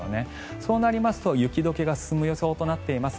そうなりますと雪解けが進む予想となっています。